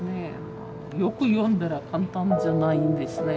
よく読んだら簡単じゃないんですね。